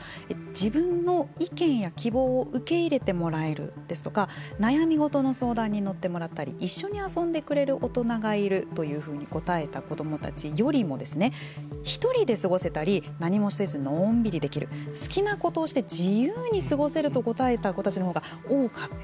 自分の意見や希望を受け入れてもらえるですとか悩み事の相談に乗ってもらったり一緒に遊んでくれる大人がいるというふうに答えた子どもたちよりも１人で過ごせたり何もせずのんびりできる好きなことをして自由に過ごせると答えた子たちのほうが多かった。